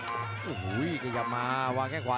โอ้โหขยับมาวางแค่ขวา